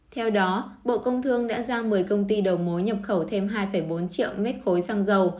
theo đó bộ công thương đã giao một mươi công ty đầu mối nhập khẩu thêm hai bốn triệu mét khối xăng dầu